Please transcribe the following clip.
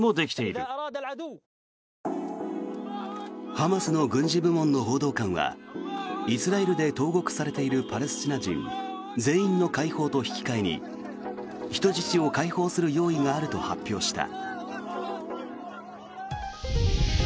ハマスの軍事部門の報道官はイスラエルで投獄されているパレスチナ人全員の解放と引き換えに人質を解放する用意があると発表した。